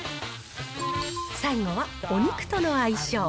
最後はお肉との相性。